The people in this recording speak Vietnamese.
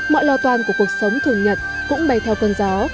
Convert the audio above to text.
mọi lo toan của cuộc sống thường nhật cũng bay theo cơn gió